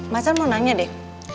masan mau nanya deh